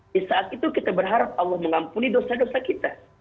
di saat itu kita berharap allah mengampuni dosa dosa kita